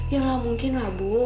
ya nggak mungkin lah bu